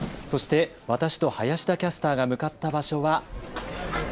そして私と林田キャスターが向かった場所は。